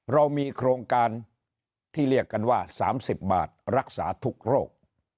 เรามีโครงการที่เรียกกันว่า๓๐บาทรักษาทุกโรค